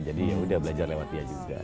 jadi ya udah belajar lewat dia juga